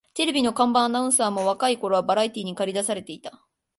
テレビの看板アナウンサーも若い頃はバラエティーにかり出されていた